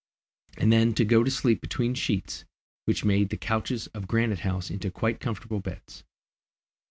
and then to go to sleep between sheets, which made the couches at Granite House into quite comfortable beds!